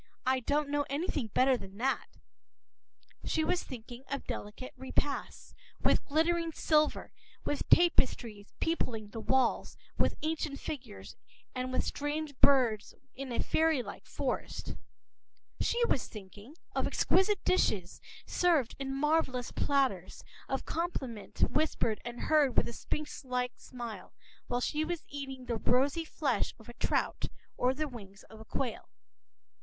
I> I don’t know anything better than that,” she was thinking of delicate repasts, with glittering silver, with tapestries peopling the walls with ancient figures and with strange birds in a fairy like forest; she was thinking of exquisite dishes, served in marvelous platters, of compliment whispered and heard with a sphinx like smile, while she was eating the rosy flesh of a trout or the wings of a quail.